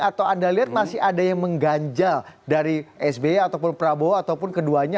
atau anda lihat masih ada yang mengganjal dari sby ataupun prabowo ataupun keduanya